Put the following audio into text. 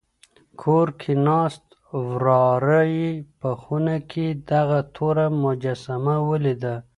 کور کې ناست وراره یې په خونه کې دغه توره مجسمه ولیده.